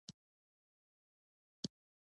د دې مثال دا دے